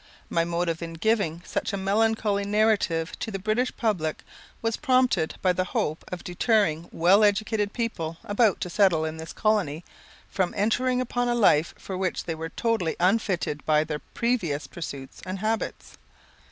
My motive in giving such a melancholy narrative to the British public, was prompted by the hope of deterring well educated people, about to settle in this colony, from entering upon a life for which they were totally unfitted by their previous pursuits and habits.